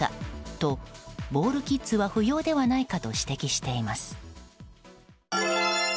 とボールキッズは不要ではないかと指摘しています。